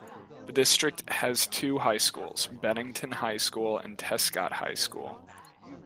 The district has two high schools; Bennington High School and Tescott High School.